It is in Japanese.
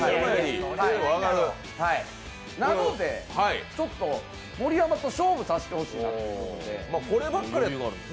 なので、ちょっと盛山と勝負させてほしいなということで。